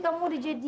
kamu udah berhenti